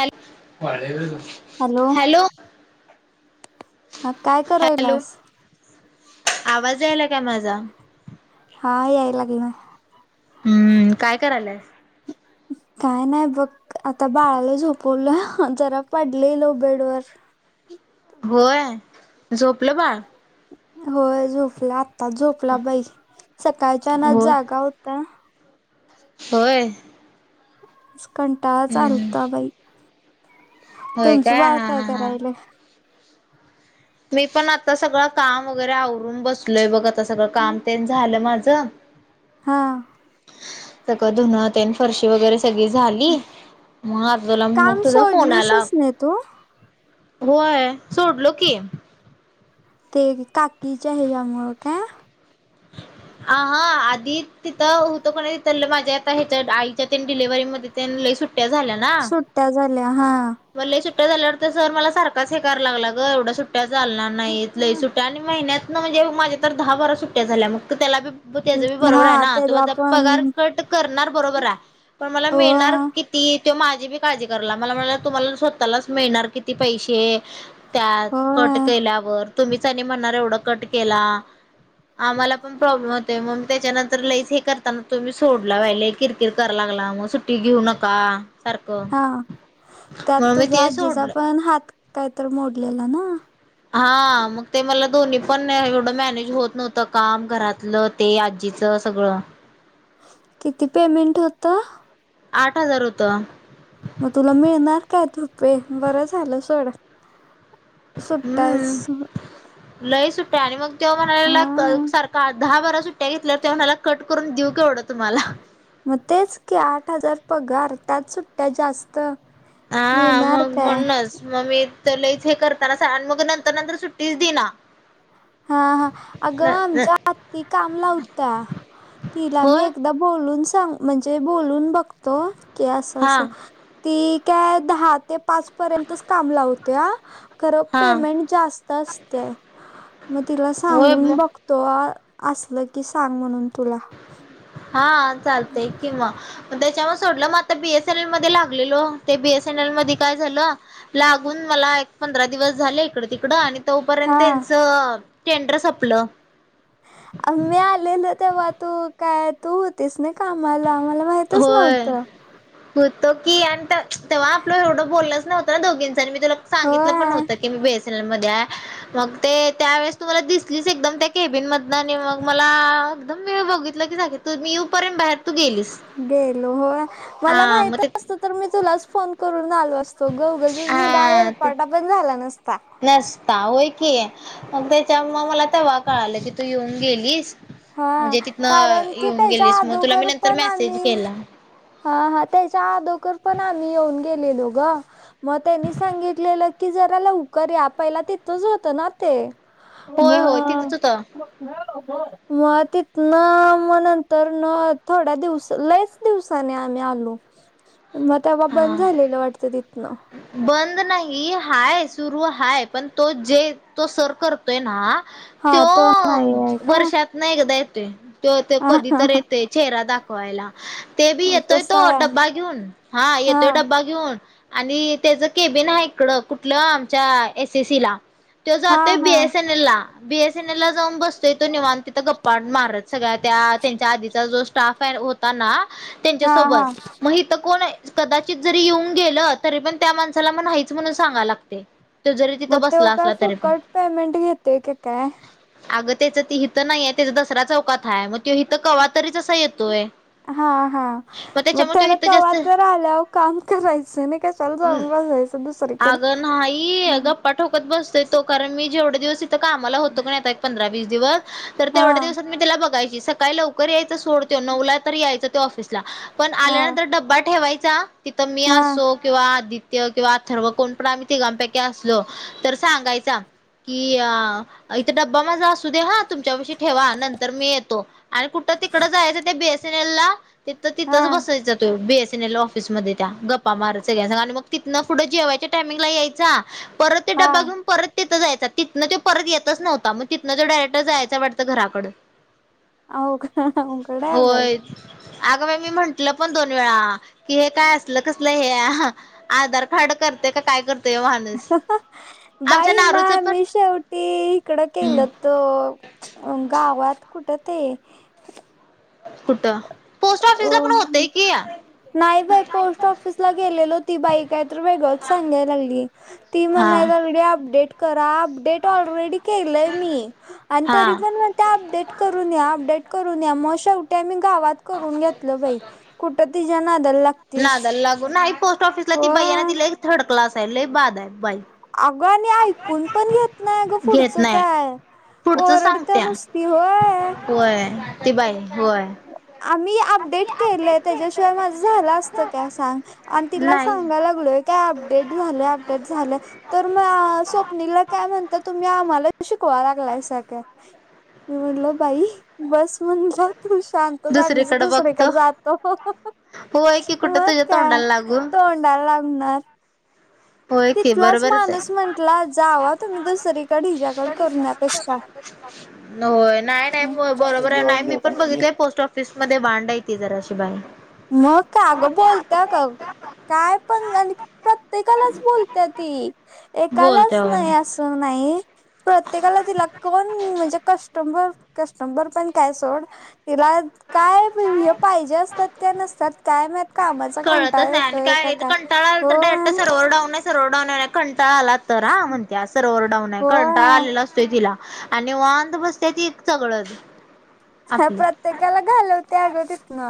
Hello वाळल्याग [inaudible] hello. हा काय hello करायलास? आवाज यायला का माझा? हा या लागला. हम्म काय करायलास? हम [unintelligible] काय नाही बघ आता बाळाला झोपवलं जरा पडले लो बेडवर. होय, झोपलं बाळ? होय, झोपला आत्ताच झोपला बाई. सकाळच्यान हो जागा होता. होय. कंटाळच हम्म आलता बाई. होय तुमचं बाळ हा हा काय हा करायल? मी पण आता सगळं काम वगैरे आवरून बसलोय बघ आ- आता सगळं काम ते झालं माझ. हा. सगळ धुन तेन फरशी वगैरे- सगळी झाली, मग [unintelligible] तुला मग काम तुझा फोन आला. सोडलीसच नाही तू होय, सोडलो की. ते काकीच्या हेज्यामुळ काय? ह [inaudible] आ, हा, आधी तिथं होतं कनी तिथ माझ्या आता ह्याच्या आईच्या डिलेव्हरी मधे लय सुट- ट्या झाल्या ना. सुट्ट्या झाल्या हा लय सुट्ट्या झाल्यावर तर सर मला सारखच हे करायला लागला ग, एवढा सुट्ट- सुट्ट्या चालणार नाहीत, लय सुट्ट्या आणि महिन्यातन म्हणजे माझ्या तर दहा, बारा सुट्ट्या झाल्या, मग तर त्याला बी- त्याच बी बरोबर आहे हा ना, तो त्याला माझा पण पगार कट करणार बरोबर आहे, पण मला हो मिळणार कि- ती, त्यो माझी बी काळजी करला, मला म्हणाला तुम्हाला स्वतःलाच मिळणार किती पैसे? त्यात कट होय केल्यावर तुम्हीच आणि म्हणणार एवढा कट केला. आम्हाला पण प्रॉब्लेम होतय, मग त्याच्यानंतर लईस हे करताना तुम्ही सोडला वहिला कि- किर कराय लागला मग सुट्टी घेऊ नका. सारखं हा, त्यात म्हणून मी तुझ्या ते आजीचा सोडलं पण हात काहीतर मोडलेला ना? हा, मग ते मला दोन्ही पण एवढं मॅनेज होत नव्हतं, काम घरातलं. ते आजीचं सगळं. किती पेमेंट होत? आठ हजार होतं. मग तुला मिळणार काय रुपे बरं झालं सोड. हम्म, सुट्टाच लई सुट्ट्या आणि मग तेव्हा म्हणायला हा लागला सारख- दहा, बारा सुट्ट्या घेतल्या, त्यो म्हणाला कट करून देऊ केवढं तुम्हाला? मग तेच की, आठ हजार पगार त्यात सुट्ट्या जास्त. हा, मिळणार मग काय म्हणूनच. मग मी च लयच हे करताना मग नंतर, नंतर सुट्टीच दिना. हा, अगं आमच्या आत्ती काम लावत्या, तिला मी होय एकदा- बोलून सांग म्हणजे बोलून बघतो की, असं हा असं- ती काय दहा ते पाच पर्यंतच काम लावत्या. खरं हा पेमेंट जास्त असतय. मग तिला होय सांगून मग बघतो, असल की सांग म्हणून तुला. हा चालतय कि मग. मग त्याच्यावर सोडलं, मग आता बी एस एन एल मध्ये लागलेलो, ते बी एस एन एल मध्ये काय झालं- लागून मला एक पंधरा दिवस झाले इकड, तिकड आणि- तोपर्यंत हा त्यांचं टेंडर संपलं. आ् मी आलेल तेव्हा तू काय- तू होतीस नाय कामाला, मला माहितच नव्हतं. तो की आणि तेव्हा आपलं एवढं बोलनच नव्हतं, दोघींच आणि मी तुला सांगितलं पण होय नव्हतं. त की मी बेसल मध्ये हाय. मग ते त्यावेेळेस तुम्हाला दिसलीच एकदम त्या केबिन मधन आणि मग मला आ एकदम वेळ बघितलं की सगित. तू मी येऊपर्यंत बाहेर तू गेलीस. गेलो हो मला हा मग माहित ते असत तर मी तुलाच फोन करून आलो असत. तो ग उगलचाच मुदा हा ते हेलपाटा पण झाला नसता. नसता होय की मग त्याच्या मग मला तेवा कळा आलं की तू येऊन गेलीस. हा म्हणजे तिथनं कारण कि येऊन त्याच्या गेलीस मग तुला मी आदोगर नंतर पण मेसेज आम्ही. केला हा हा त्याच्या अगोदर पण आम्ही येऊन गेलेलो ग. मग त्यांनी सांगितलेलं की जरा लवकर या आपहिला तिथच होतं ना ते. म होय होय तिथंच होतं मग तिथ म नंतर न थोड्या दिवस ललेच दिवसाने आम्ही आलो. मग तेव्हा बंद हा झालेलं वाटतं तिथ. बंद नाही हाय सुरू हाय पण तो जे तो सर कर''--'' य ना हा तो नाही आहे का? वर्षात नाही एकदा येतोय. ते ते कधी तर हा येते चेहरा दाखवायला. ते बी येतोय तो तसा आहे डब्बा घेऊन हा येतोय डब्बा घेऊन. आणि त्याच केबिन आहे इकडं कुठलं आमच्या एस एसी ला. ते हा जातोय हा बीएस एन एल ला बी एस. सेनेला जाऊन बसतोय तो निवाण तिथं गप्पा मारत सगळ्या त्या त्यांच्या आधीचा जो. स्टाफ हाय होता ना हा हा त्यांच्यासोबत मग इथं कोण हाय कदाचित जरी येऊन गेल. तरी पण त्या माणसाला मग नाहीच म्हणून सांगा लागते. तो जरी मग तिथं बसला तो काय असला तरी पण फूकट पेमेंट घेते का काय. अगं त्याच हिथं नाहीय त्याचा दसरा चौकाता आहे मग तो हिथं कवातरीच असा येतोय. हा हा मग त्याच्यामुळे तो त्यान इथं कवा तर जास्त आल्यावर काम करायचं नाय का. चल जाऊन बसयच दुसरीकडे. अगं नाही अगं. गप्पा ठोकत बसतय तो कारण मी जेवढे दिवस इथं कामाला होतो कण आता एक पंधरा वीस दिवस. तर हा तेवढ्या दिवसात मी त्याला बघायची सकाळी लवकर यायचं सोडतो नऊला तर यायचं ते ऑफिसला. पण हा आल्यानंतर डब्बा ठेवायचा तिथं मी हा असो किंवा आदित्य किंवा. ठर्व कोण पण आम्ही तिघांपैकी असलो तर सांगायचा कि अ. इथे ड्बा माझा असू ''--'' सुदे हा तुमच्या पाशी ठेवा नंतर मी येतो आणि कुठं तिकड जायचं ते बीएसएनएल ला. तिथ हा तिथंच बसायचं ते बी एस एनएल ऑफिसमध्ये त्या गप्पा मारत सगळ्यां आणि मग. तिथनं पुढं जेवायच्या टामंग ला यायचा परत ते हा ड्बा घेऊन परत. तिथं जायच तिनं तो परत येतच नव्ह मग तिथन तो डायरेक्टर जायचं वाटतं घराकंड. आव अवघड आहे बाई. होय अगं बाई मी म्हंटलं पण दोन वेळा कि हे काय असलं कसलं हे. ह आधार कार्ड करते का काय करते. बाई मा नारूचं पण मी शेवटी इकडं हम्म केलंत. त गावात कुठं ते. कुट पोस्ट अ ऑफिसला पण होते की. नाही बाई पोस्ट ऑफिसला गेलेल ती बाईक आहे तर वेगळंच सांगायला लागली. ती हा म्हणाय लागल्या अपडेट. करा अपडेट ऑलरेडी केलय मी तरी हा. पण अपडेट. करून या अपडेट करून या मग शेवटी आम्ही गावात करून घेतलं बाई कुठ. तिच्या नादाला लाग नादाला लागून नाही, पोस्ट ऑफिसला ती बाई आहे ना होय ती लईच थर्ड क्लास आहे बाद आहे. बाई. अगं आणि ऐकून पण घेत नाही, अगं घेत पुढचं नाही काय. पुढचं ओरडत्या सांगत्या. नुसती होय. होय, ती बाई होय. आम्ही अपडेट केलंय, त्याच्याशिवाय माझं झालं असतं काय सांग? आणि तिला नाही सांगाय लागलोय काय अपडेट झालंय, अपडेट झालंय. तर मग स्वप्नीला काय म्हण तर तुम्ही आम्हालाच शिकवा लागलायसा काय, मी म्हणलो बाई बस म्हणलं तू शांत, आम्हीच दुसरीकडे बघतो दुसरीकडं जातो. होय की कुठं मग तुझ्या काय तोंडाला लागून. तोंडाला लागणार. होय की तिथलाच बरोबरच माणूस आहे. म्हंटला, जावा तुम्ही दुसरीकडं हिच्याकडं करण्यापेक्षा. होय, नाही नाही बरोबर आहे, नाही जेवायला मी पण जेवला बघितलं पोस्ट ऑफ् फिस मध्ये वांड आहे ती जराशी बाई. मग काय अगं बोलत्या, का काय पण आणि प्रत्येकालाच बोलत्या ती, एकालाच बोलत्या होय. नाही असं नाही. प्रत्येकाला तिला कोण म्हणजे कस्टंबर, कस्टंबर पण काय सोड. तिला काय प हे पाहिजे असतात काय नसतात काय माहीत? कळतच नाही, आणि काय कंटाळा आला तर डायरेट हो सरोवर डाऊन आहे स सरवर डाऊन आहे, कंटाळा आला तर हा म्हणत्या, सरवर डाऊन आहे कंटळा हो आलेला अस तोय तिला आणि निवांत बसते ती चगळत. आपली प्रत्येकाला घालवते अगं तितन,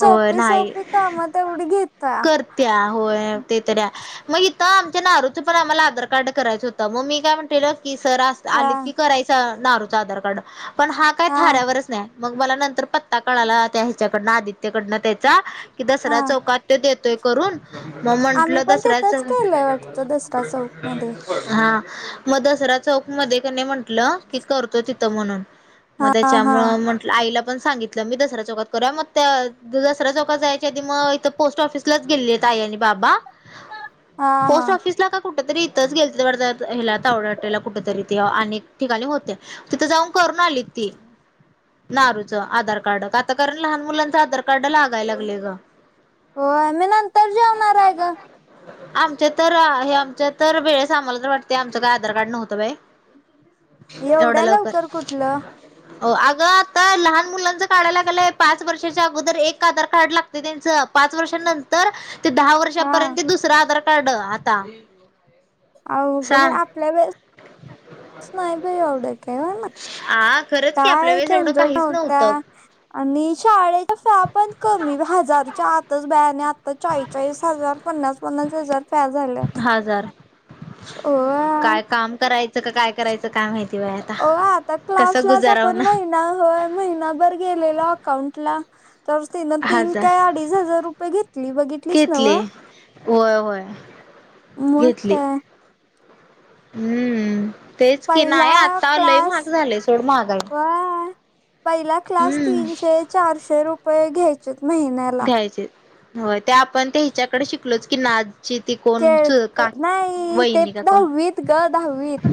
होय सोपी- नाही सोपी काम त तेवढी घेत् करत्या होय ते तऱ्या मग हि तं आमच्या नारूच पण आम्हाला आधार कार्ड करायचं होतं, मग मी काय म्हणलेलं की, सर आलीत हा की करायच नारूचा आधार कार्ड, पण हा काय थाऱ्यावरच नाही. मग मला नंतर पत्ता कळाला त्या ह्याच्याकडनं, आदित्यकडनं, त्याचा कि हा दसरा चौकात त्यो देतोय करून, मग आम्ही म्हंटलं पण दसऱ्या तिथंच चौ केलंय वाटतं दसरा चौक मध्ये हा, मग दसरा चौक मध्ये कनी म्हंटलं की, करतो तिथं म्हणून हा मग हा त्याच्यामुळं म्हण टलं, आईला पण सांगितलं मी दसऱ्या चौकात करूया, मग त्या दसऱ्या चौकात जायच्या आधी मग इथ पोस्ट ऑफिसलाच गेलीलीत आई‌ आणि बाबा हा हा पोस्ट ऑफिसला का कु कुठ तरी इथंच गेल वाटतं, ह्याला तावडे हाॅटेला कुठ तरी ते अनेक ठिकाणी होते. तिथं जाऊन करून आलीत ती नारूचं आधार कार्ड आता कारण, लहान मुलांचं आधार कार्ड लागाय लागलय गं. होय मी नं आमच्या तर, हे आमच्या तर वेळेस आम्हाला तर वाटतंय, आमचं काय आधार कार्ड नव्हतं बाई, एवढ्या लवकर. ह अगं आता लहान मुलांचं काढायला लागालय, पाच वर्षाच्या अगोदर एक आधार कार्ड लागतय त्यांचं. पाच वर्षां नंतर, ते दहा हा वर्षापर्यंत दुसरं आधार कार्ड आता. अ का सांग आपल्या वेळेस [unintelligible] नाही बाई एवढं केव ना मग, हा खरंच की आपल्या काय वेळेस एवढं झंजट काहीच नव्हत्या. नव्हतं आणि शाळेच्या फ्या पण कमी, हजारच्या आतच बाईना आणि आ या चाळी- चाळीस हजार, पन्नास -पन्नास हजार फ्या झाल्यात. हजार होय. काय काम करायचं का, काय करायचं, काय माहिती बाय आता. होय आता कसं क्लासलाच गुजाराव आपण ना महिना महिनाभर गेलेलो अकाउंटला. तर तिन तीन हजार काय अडीच हजार रुपये घेतली, बघितलीस न्हव. घेतले होय, होय. मग घेतली काय. हम्म, तेच की पहिला नाही आत्ता लय क्लास महाग झालेय सोड महागाई. वा पहिला क्लास हम्म तीनशे, चारशे रुपये घ्यायचेत महिन्याला. हो ते आपण त्या ह्याच्याकडे शिकलोच की ना- ते क नाही ते, वहिनी का कोण दाहावीत ग, दाहावीत.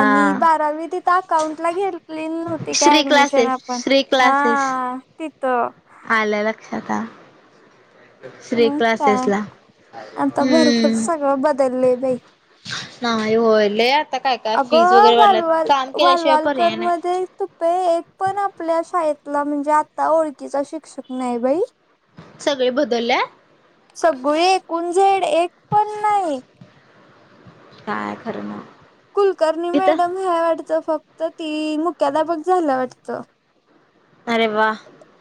आणि बारावी तिथं अकाउंटला घेतली नव्हती काय श्री ऍडमिशन क्लासेस आपण- श्री पण क्लासेस हा, तिथं. आलं लक्षात हा. श्री मग काय क्लासेसला. आता भरपूर हम्म. सगळं बदललंय बाई नाही होय, लय आता काय, काय फीज अगं वगैरे वाढल्यात, काम केल्याशिवाय पर्याय नाही. तूपे, एक पण आपल्या शाळेतला म्हणजे, आता ओळखीचा शिक्षक नाही बाई. सगळे बदलल्यात? सगळी एकूण झेड एक पण नाही. काय खरं नाही. कुलकर्णी मॅडम हाय वाटतं फक्त ती, मुख्याध्यापक झाल्या वाटतं. अरे वा.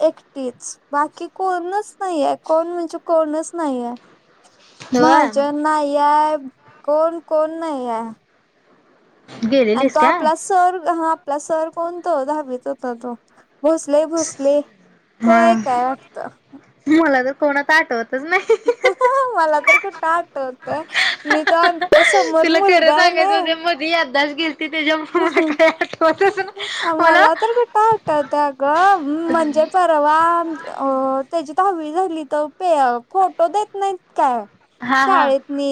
एकटीच, बाकी कोणच नाहीये, कोण म्हणजे कोणच नाहीये. होय माझ्या नाहीया, कोण, कोण नाहीया. आणि गेलेलीस तो काय आपला सर, हा आपला सर कोण तो दाहावीत होता तो? भोसले, भोसले तो हा एक हाय वाटतं? मला तर कोणच आठवत - [unintelligible] मला तर कुठे आठवतय. मी तर आमच्या समोर मुलगा आहे ना - याद्दाश गेलती, त्याज्यामुळे मला काय आठवतच नाही मला- का त्या ग म्हणजे [unintelligible] तवा अ.. त्याची दहावी झाली तवा पे फोटो देत नाहीत काय? हा हा शाळेतनी,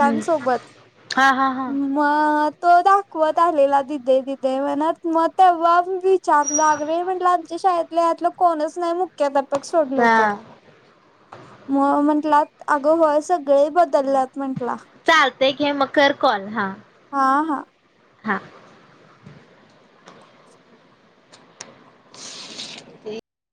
हम्म हा, हा, हा. मग तो दाखवत आलेला दीदी, दीदी म्हणत मग तेव्हा- विचारल, अग मी म्हंटलं आमच्या शाळेतल यातलं कोणच नाही मुख्याध्यापक सोडल तर. हा म म्हंटलात अग होय, सगळे बदलल्यात म्हंटला. चालतय घे, मग कर कॉल हा. हा, हा. हा. ते-